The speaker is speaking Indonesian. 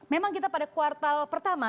memang kita pada kuartal pertama